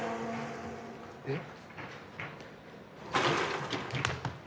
えっ？